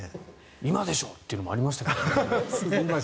今でしょというのもありましたけどね。